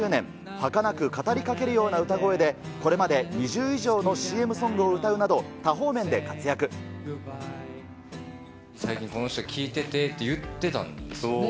はかなく語りかけるような歌声で、これまで２０以上のＣＭソングを歌うなど、最近、この人聴いててって言ってたんですね。